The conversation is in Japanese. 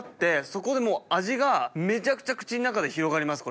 そこでもう味がめちゃくちゃ口の中で広がります